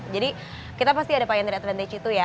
jadi kita pasti ada pioneer advantage itu ya